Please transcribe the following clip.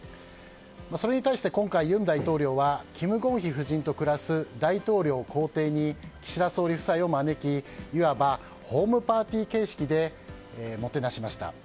それに対して今回、尹大統領はキム・ゴンヒ夫人と暮らす大統領公邸に岸田総理夫妻を招きいわばホームパーティー形式でもてなしました。